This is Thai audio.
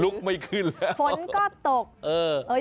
ลุกไม่ขึ้นแล้วฝนก็ตก